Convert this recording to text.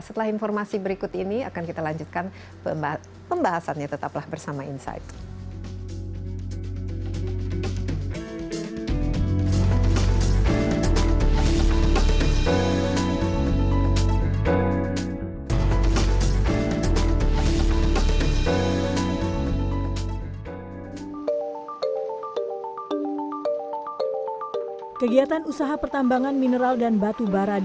setelah informasi berikut ini akan kita lanjutkan pembahasannya tetaplah bersama insight